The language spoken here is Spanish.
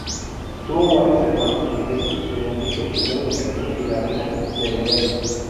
Tuvo varios hermanos, entre ellos, el Enrique I de Castilla y la reina Berenguela.